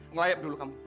ngelayap dulu kamu